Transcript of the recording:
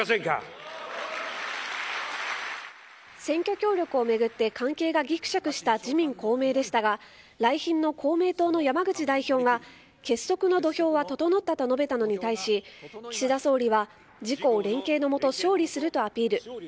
選挙協力を巡って関係がぎくしゃくした自民公明でしたが来賓の公明党の山口代表が結束の土俵は整ったと述べたのに対し岸田総理は自公連携のもと勝利するとアピール。